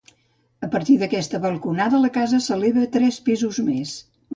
A partir d'aquesta balconada la casa s'eleva tres pisos més.